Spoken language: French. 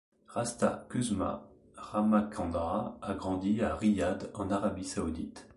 Rasta Kuzma Ramacandra a grandi à Riyad en Arabie saoudite.